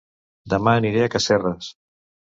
Dema aniré a Casserres